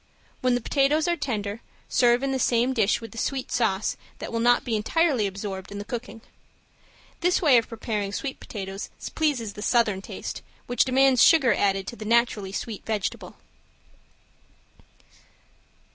When the potatoes are tender serve in the same dish with the sweet sauce that will not be entirely absorbed in the cooking. This way of preparing sweet potatoes pleases the Southern taste, which demands sugar added to the naturally sweet vegetable.